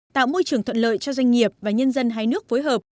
tạo môi trường thuận lợi cho doanh nghiệp và nhân dân hai nước phối hợp